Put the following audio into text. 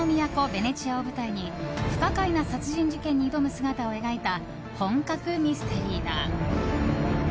ベネチアを舞台に不可解な殺人事件に挑む姿を描いた本格ミステリーだ。